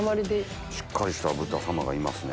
しっかりした豚さまがいますね。